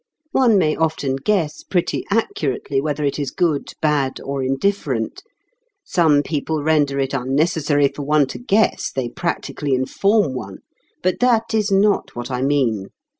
One may often guess pretty accurately whether it is good, bad, or indifferent some people render it unnecessary for one to guess, they practically inform one but that is not what I mean.